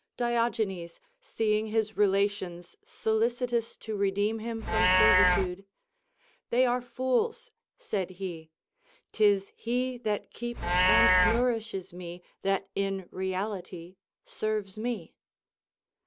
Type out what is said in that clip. Diogenes seeing his relations solicitous to redeem, him from servitude: "They are fools," said he; "'tis he that keeps and nourishes me that in reality serves me."